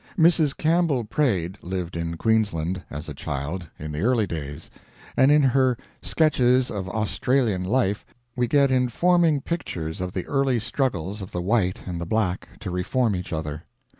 Mrs. Campbell Praed lived in Queensland, as a child, in the early days, and in her "Sketches of Australian life," we get informing pictures of the early struggles of the white and the black to reform each other.